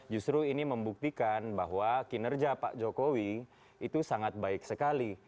justru ini membuktikan bahwa kinerja pak jokowi itu sangat baik sekali